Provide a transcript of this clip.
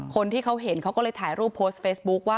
คนที่เขาเห็นเขาก็เลยถ่ายรูปโพสต์เฟซบุ๊คว่า